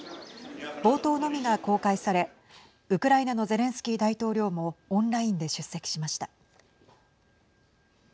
冒頭のみが公開されウクライナのゼレンスキー大統領もオンラインで出席しました。